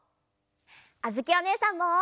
あづきおねえさんも！